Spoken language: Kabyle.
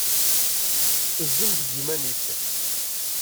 Tezzem deg yiman-is.